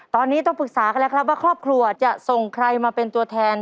ตอนนี้ต้องปรึกษากันแล้วครับว่าครอบครัวจะส่งใครมาเป็นตัวแทน